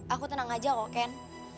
aku tenang aja kok ken